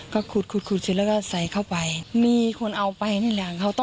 คุณแม่ขูดอยู่คนเดียวแต่ว่าไม่ได้มองอันไหนค่ะ